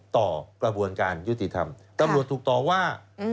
ต่อกระบวนการยุติธรรมตำรวจถูกต่อว่า